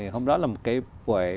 hôm đó là một cái buổi